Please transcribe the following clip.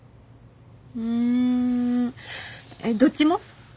うんどっちも？